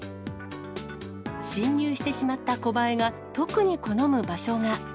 侵入してしまったコバエが、特に好む場所が。